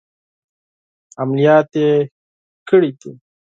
عملیات کړي دي.